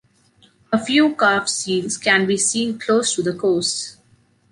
A few calf seals can be seen close to the coasts.